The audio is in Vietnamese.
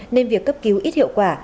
nên việc cấp cứu ít hiệu quả